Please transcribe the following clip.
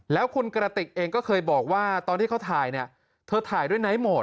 แล้วคุณกระติกเองก็เคยบอกว่าตอนที่เขาถ่ายเนี่ยเธอถ่ายด้วยไนท์โหมด